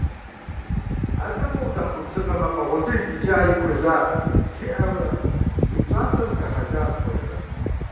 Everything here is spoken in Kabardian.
АтӀэ уэ унэхъ губзыгъэмэ, къэгъуэтыж иджы а епхужьар, - жиӀэурэ и пщӀантӀэм дыхьэжащ Хъуэжэ.